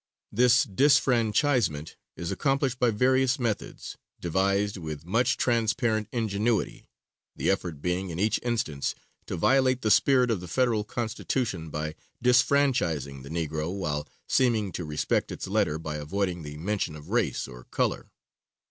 This disfranchisement is accomplished by various methods, devised with much transparent ingenuity, the effort being in each instance to violate the spirit of the Federal Constitution by disfranchising the Negro, while seeming to respect its letter by avoiding the mention of race or color.